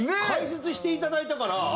解説していただいたから。